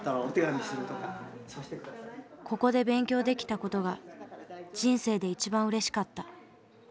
「ここで勉強できた事が人生で一番うれしかった」。